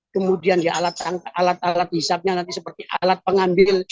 kemudian ya alat alat hisapnya nanti seperti alat pengambil